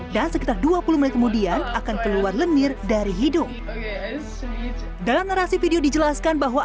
dan sekitar dua puluh menit kemudian akan keluar lemir dari hidung dalam narasi video dijelaskan bahwa